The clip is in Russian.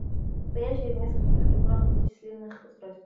Состоящая из нескольких электронных вычислительных устройств.